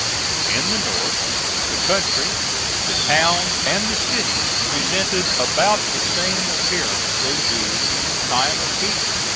In the North, the country, the towns and the cities presented about the same appearance they do in time of peace.